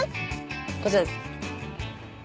こちらです。